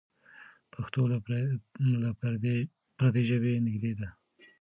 پښتو له پردۍ ژبې نږدې ده.